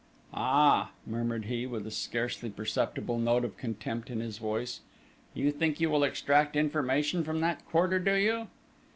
"Ah!" murmured he, with a scarcely perceptible note of contempt in his voice: "You think you will extract information from that quarter, do you?"